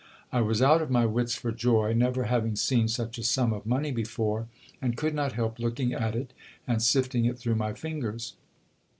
I was out of my wits for joy, never having seen such a sum of money before, and could not help looking at it and sifting it through my fingers.